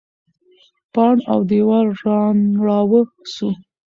پاڼ او دیوال رانړاوه سو.